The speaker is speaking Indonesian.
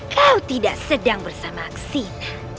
kau tidak sedang bersama sin